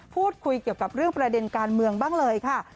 พูดคุยเกี่ยวกับเรื่องประเด็นการเมืองบ้างเลยค่ะ